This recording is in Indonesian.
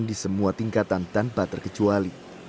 di semua tingkatan tanpa terkecuali